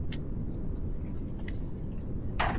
کارپوهان به د بشري حقونو قانون پلی کړي.